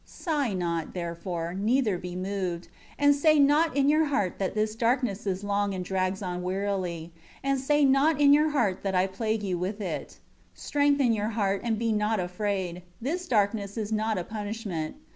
11 Sigh not, therefore, neither be moved; and say not in your heart that this darkness is long and drags on wearily; and say not in your heart that I plague you with it. 12 Strengthen your heart, and be not afraid. This darkness is not a punishment.